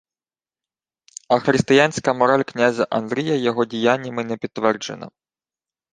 А християнська мораль князя Андрія його діяннями не підтверджена